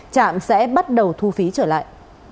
trạm sẽ bắt đầu thu phí trở lại